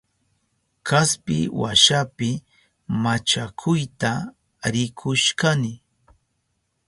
Kaspi washapi machakuyata rikushkani.